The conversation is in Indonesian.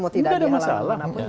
tidak ada masalah